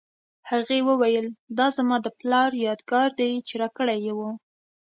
هغې وویل دا زما د پلار یادګار دی چې راکړی یې و